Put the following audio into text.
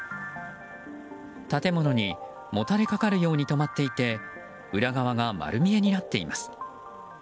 建物にもたれかかるように止まっていて裏側が丸見えになっています。